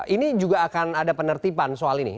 ini juga akan ada penertiban soal ini